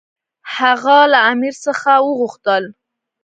هغه له امیر څخه وغوښتل.